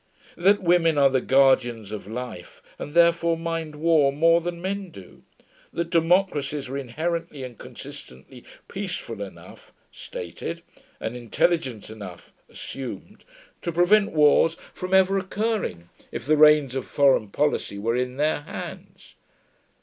That women are the guardians of life, and therefore mind war more than men do. That democracies are inherently and consistently peaceful enough (stated) and intelligent enough (assumed) to prevent wars from ever occurring if the reins of foreign policy were in their hands.